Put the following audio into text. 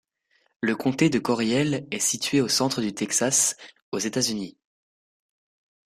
Le comté de Corryel est situé au centre du Texas, aux États-Unis.